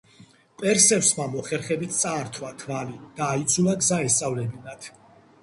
პერსევსმა მოხერხებით წაართვა თვალი და აიძულა გზა ესწავლებინათ.